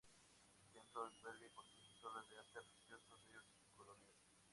El templo alberga importantes obras de arte religioso de origen colonial.